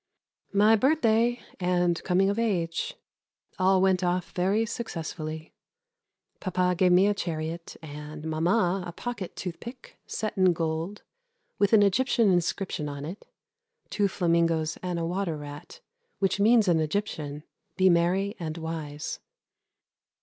_ My birthday and coming of age. All went oft very successfully. Papa gave me a chariot and mamma a pocket tooth pick, set in gold, with an Egyptian inscription on it (two flamingoes and a water rat, which means in Egyptian "Be merry and wise").